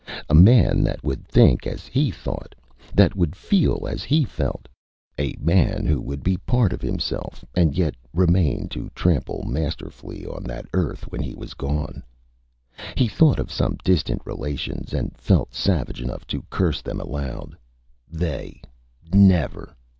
A man that would think as he thought, that would feel as he felt; a man who would be part of himself, and yet remain to trample masterfully on that earth when he was gone? He thought of some distant relations, and felt savage enough to curse them aloud. They! Never!